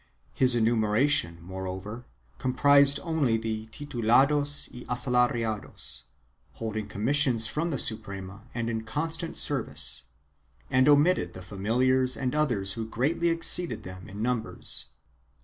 His enumeration more over comprised only the titulados y asalariados, holding com missions from the Suprema and in constant service, and omitted the familiars and others who greatly exceeded them in num bers.